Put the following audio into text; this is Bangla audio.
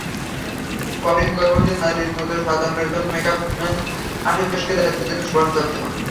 কবরীকে গর্ভবতী নারীর মতো সাজানোর জন্য মেকআপম্যান আশুতোষকে দায়িত্ব দেন সুভাষ দত্ত।